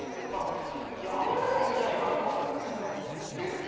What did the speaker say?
やめたらいいんじゃねえかなと思います。